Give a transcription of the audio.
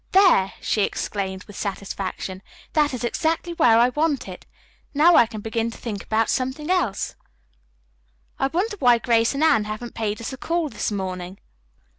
"There!" she exclaimed with satisfaction. "That is exactly where I want it. Now I can begin to think about something else." "I wonder why Grace and Anne haven't paid us a call this morning?"